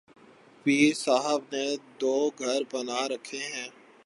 پیر صاحب نے دوگھر بنا رکھے ہیں۔